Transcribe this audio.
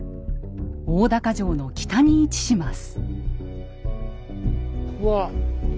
大高城の北に位置します。